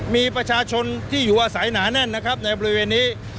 มีประชาชนที่อยู่อาศัยหนาแน่นนะครับในบริเวณนี้